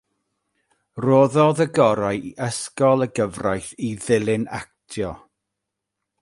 Rhoddodd y gorau i ysgol y gyfraith i ddilyn actio.